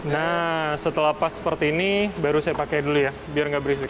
nah setelah pas seperti ini baru saya pakai dulu ya biar nggak berisik